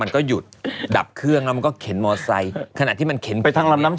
เออกล้วยไข่ของฉันดีกว่าโอ้เรา